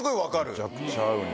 むちゃくちゃ合うね。